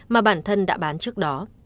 mà bản thân đã bán trước đó